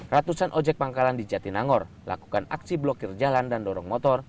ratusan ojek pangkalan di jatinangor lakukan aksi blokir jalan dan dorong motor